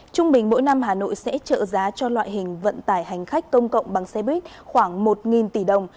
trung bình mỗi năm hà nội sẽ trợ giá cho loại hình vận tải hành khách công cộng bằng xe buýt khoảng một tỷ đồng